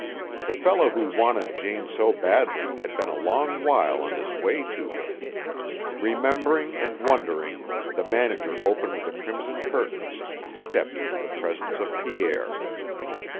The fellow who wanted Jane so badly had been a long while on his way to her. Remembering and wondering, the manager opened the crimson curtains and stepped into the presence of Pierre.